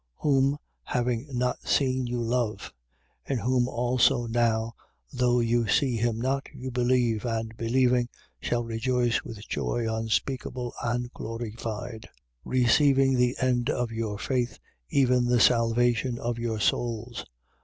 1:8. Whom having not seen, you love: in whom also now though you see him not, you believe and, believing, shall rejoice with joy unspeakable and glorified; 1:9. Receiving the end of your faith, even the salvation of your souls.